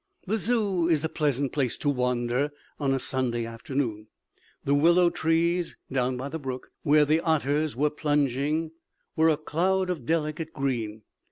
The Zoo is a pleasant place to wander on a Sunday afternoon. The willow trees, down by the brook where the otters were plunging, were a cloud of delicate green.